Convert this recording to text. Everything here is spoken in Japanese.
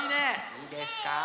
いいですか。